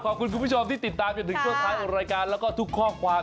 ขอบคุณคุณผู้ชมที่ติดตามจนถึงทุกไลน์รายการและทุกข้อความ